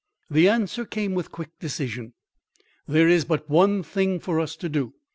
The answer came with quick decision. "There is but one thing for us to do.